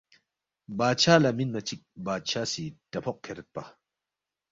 بادشاہ لہ مِنما چِک بادشاہ سی ڈافوق کھیریدپا